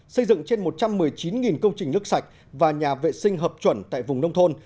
xây dựng trên một trăm một mươi chín công trình nước sạch và nhà vệ sinh hợp chuẩn tại vùng nông thôn